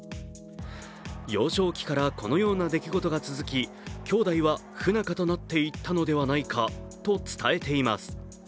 幼少期からこのような出来事が続き兄弟は不仲になっていったのではないかと伝えています。